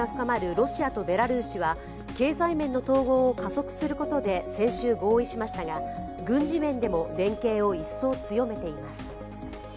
ロシアとベラルーシは、経済面の統合を加速することで先週合意しましたが、軍事面でも連携を一層強めています。